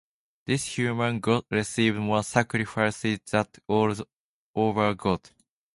This human god received more sacrifices than all the other god.